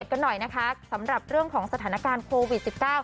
กันหน่อยนะคะสำหรับเรื่องของสถานการณ์โควิด๑๙